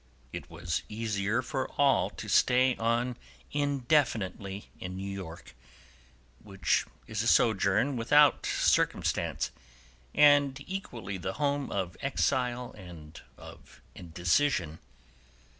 It was easier for all to stay on indefinitely in New York, which is a sojourn without circumstance, and equally the home of exile and of indecision.